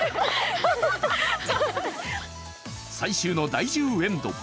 最終の第１０エンド。